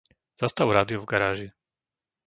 Zastav rádio v garáži.